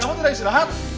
kamu tidak istirahat